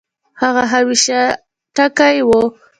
هغه همېشه ټکے وۀ